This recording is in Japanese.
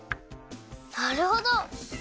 なるほど！